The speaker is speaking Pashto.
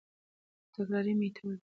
تکراري ميتود: